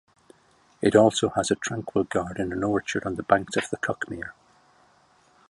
It also has a tranquil garden and orchard on the banks of the Cuckmere.